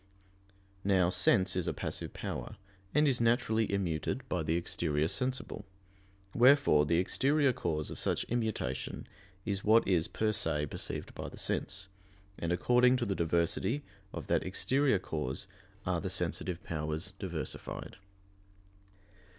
_ Now, sense is a passive power, and is naturally immuted by the exterior sensible. Wherefore the exterior cause of such immutation is what is per se perceived by the sense, and according to the diversity of that exterior cause are the sensitive powers diversified.